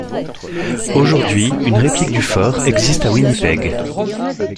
Aujourd'hui, une réplique du fort existe à Winnipeg.